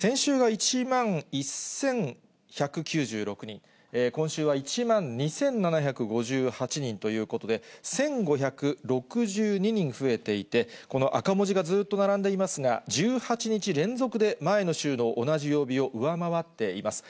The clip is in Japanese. まずは東京都の感染者数を見ていきますが、先週が１万１１９６人、今週は１万２７５８人ということで、１５６２人増えていて、この赤文字がずっと並んでいますが、１８日連続で前の週の同じ曜日を上回っています。